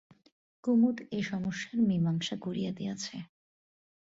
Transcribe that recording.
কুমুদ এ সমস্যার মীমাংসা করিয়া দিয়াছে।